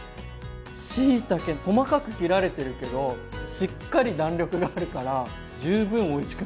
しいたけ細かく切られてるけどしっかり弾力があるから十分おいしくなる。